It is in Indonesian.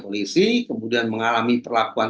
polisi kemudian mengalami perlakuan